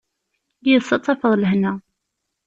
Yid-s ad tafeḍ lehna.